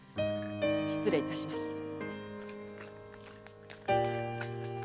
失礼いたします。